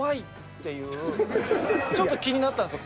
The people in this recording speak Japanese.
ちょっと気になったんすよ。